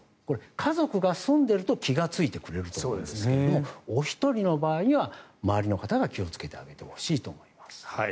家族が住んでいると気がついてくれるんですがお一人の場合には、周りの方が気をつけてあげてほしいと思います。